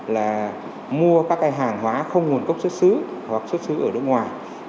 là mua các cái hàng hóa không nguồn gốc xuất xứ hoặc xuất xứ ở nước ngoài